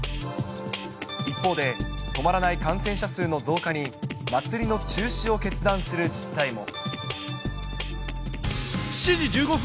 一方で、止まらない感染者数の増加に、祭りの中止を決断する自治体も。